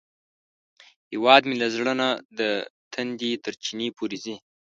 هیواد مې له زړه نه د تندي تر چینې پورې ځي